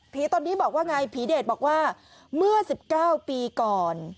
ผีตนนี้บอกว่าไงผีเดชบอกว่าเมื่อสิบเก้าปีก่อน